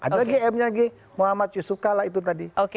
ada lagi m nya lagi muhammad yusuf kala itu tadi